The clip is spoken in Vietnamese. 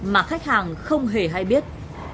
mà khách hàng không hề hay biết